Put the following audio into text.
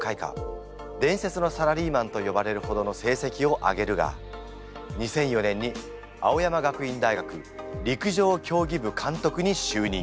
伝説のサラリーマンと呼ばれるほどの成績を上げるが２００４年に青山学院大学陸上競技部監督に就任。